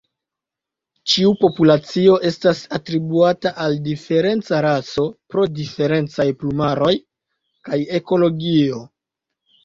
Ĉiu populacio estas atribuata al diferenca raso pro diferencaj plumaroj kaj ekologio.